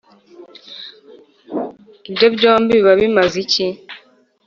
ibyo byombi biba bimaze iki?